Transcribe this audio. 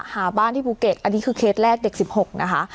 หาบ้านที่ภูเก็ตอันนี้คือเคสแรกเด็ก๑๖นะคะ